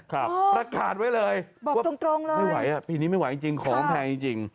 ครับบอกตรงเลยปีนี้ไม่ไหว้จริงของแพงจริง